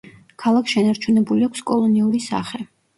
ქალაქს შენარჩუნებული აქვს კოლონიური სახე.